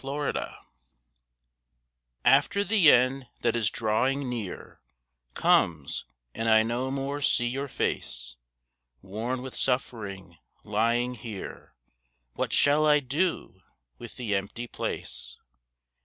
AFTER After the end that is drawing near Comes, and I no more see your face Worn with suffering, lying here, What shall I do with the empty place?